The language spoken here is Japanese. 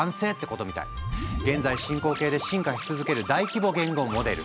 現在進行形で進化し続ける大規模言語モデル。